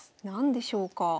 何でしょうか？